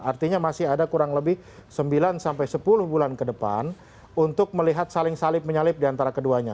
artinya masih ada kurang lebih sembilan sampai sepuluh bulan ke depan untuk melihat saling salib menyalip diantara keduanya